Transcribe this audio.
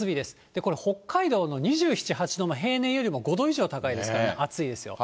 これ、北海道の２７、８度の平年よりも５度以上高いです、暑いですよ。